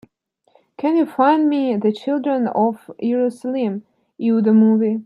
Can you find me the Children of Jerusalem: Yehuda movie?